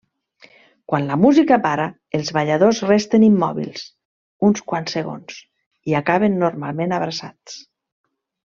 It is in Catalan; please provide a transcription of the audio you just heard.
Quan la música para, els balladors resten immòbils uns quants segons i acaben normalment abraçats.